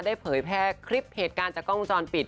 เผยแพร่คลิปเหตุการณ์จากกล้องวงจรปิด